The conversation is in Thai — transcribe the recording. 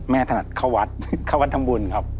ถนัดเข้าวัดเข้าวัดทำบุญครับ